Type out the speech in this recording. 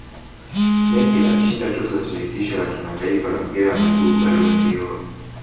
Messi akishinda tuzo za shirikisho la kimataifa la mpira wa miguu Ballons dOr